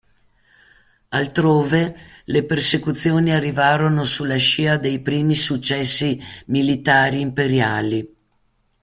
Altrove, le persecuzioni arrivarono sulla scia dei primi successi militari imperiali.